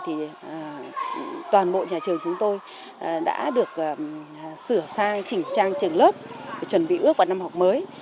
thì toàn bộ nhà trường chúng tôi đã được sửa sang chỉnh trang trường lớp để chuẩn bị bước vào năm học mới